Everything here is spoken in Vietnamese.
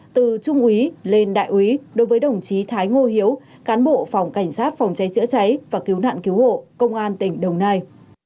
từ trung úy lên đại úy đối với đồng chí thái ngô hiếu cán bộ phòng cảnh sát phòng cháy chữa cháy và cứu nạn cứu hộ công an tỉnh đồng nai